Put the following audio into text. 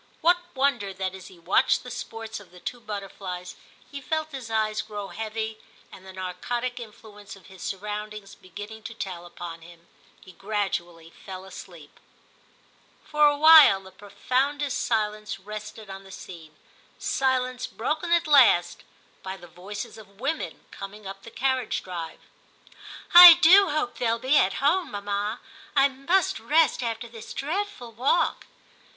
What wonder that as he watched the sports of the two butterflies he felt his eyes grow 1 66 TIM CHAP. heavy, and the narcotic influence of his sur roundings beginning to tell upon him, he gradually fell asleep. For a while the profoundest silence rested on the scene — silence broken at last by the voices of women coming up the carriage drive. * I do hope they'll be at home, mamma ; I must rest after this dreadful walk.